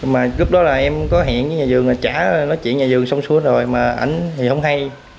mà lúc đó là em có hẹn với nhà vườn là trả nói chuyện nhà vườn xong suốt rồi mà ảnh thì không hay